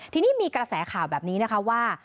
ทีนี้มีกระแสข่าวแบบนี้นะคะว่า